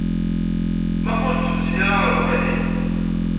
Maɣef ur d-tusi ara ɣer umahil?